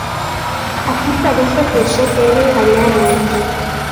Aquí parece que só queren gañar uns.